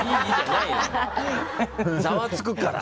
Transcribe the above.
ざわつくから！